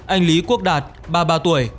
anh lý quốc đạt ba mươi ba tuổi